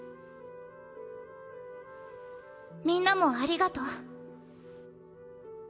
みんなもありがとう。